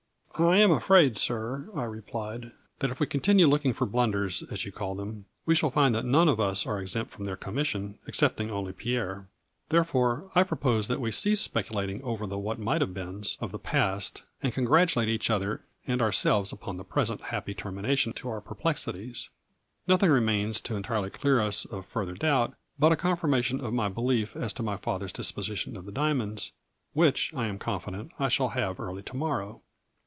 " I am afraid, sir," I replied, " that if we con tinue looking for blunders, as you call them, we shall find that none of us are exempt from their commission, excepting only Pierre. A FLURRY IN DIAMONDS. 215 Therefore I propose that we cease speculating over the what might have beens of the past and congratulate each other and ourselves upon the present happy termination to our perplexities, Nothing remains to entirely clear us of fur ther doubt but a confirmation of my belief as to my father's disposition of the dia monds, which I am confident I shall have early to morrow.